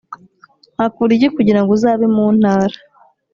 Wakora iki kugira ngo uzabe muntara